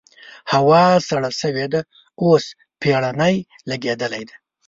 هوا سړه شوې ده؛ اوس پېړنی لګېدلی دی.